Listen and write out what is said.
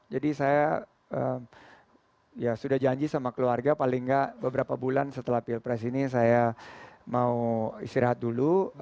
jadi saya ya sudah janji sama keluarga paling gak beberapa bulan setelah pilpres ini saya mau istirahat dulu